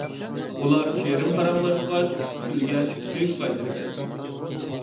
ئۇلار شېرىن پاراڭلاشقاچ، كۈلگەچ ئۆيىگە قايتىدىكەن.